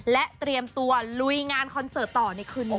และเตรียมตัวลุยงานคอนเสิร์ตต่อในคืนนี้